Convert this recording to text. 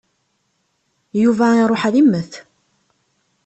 Yuba iṛuḥ ad immet.